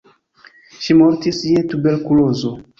Ŝi mortis je tuberkulozo.